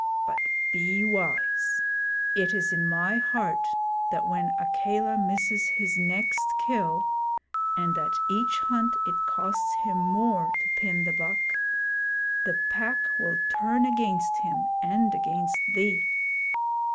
But be wise. It is in my heart that when Akela misses his next kill, and at each hunt it costs him more to pin the buck, the Pack will turn against him and against thee.